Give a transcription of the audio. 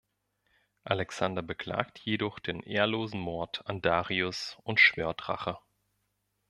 Alexander beklagt jedoch den ehrlosen Mord an Darius und schwört Rache.